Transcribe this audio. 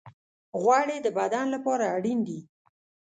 غوړې د بدن لپاره اړین دي.